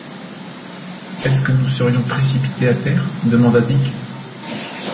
Est-ce que nous serions précipités à terre? demanda Dick.